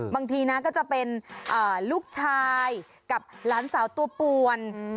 บางทีนะก็จะเป็นลูกชายกับหลานสาวตัวป่วน